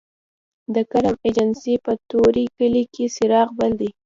د کرم ایجنسۍ په طوري کلي کې څراغ بل دی